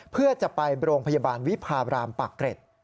เพื่อจะไปโรงพยาบาลวิพาบรามปากเกร็ด